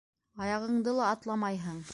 Аяғыңды ла атламайһың.